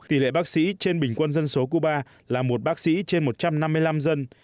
tỷ lệ bác sĩ trên bình quân dân số cuba là một bác sĩ trên một trăm năm mươi năm dân